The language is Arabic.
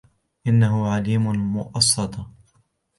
إِنَّهَا عَلَيْهِم مُّؤْصَدَةٌ